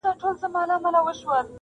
لا تیاره وه په اوږو یې ساه شړله،